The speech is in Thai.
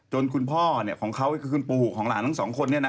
คุณพ่อของเขาก็คือคุณปู่ของหลานทั้งสองคน